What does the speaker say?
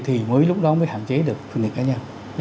thì mới lúc đó mới hạn chế được phương tiện cá nhân